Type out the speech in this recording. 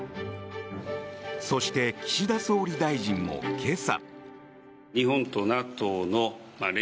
そして岸田総理大臣も今朝。